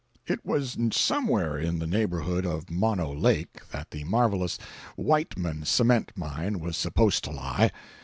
It was somewhere in the neighborhood of Mono Lake that the marvellous Whiteman cement mine was supposed to lie.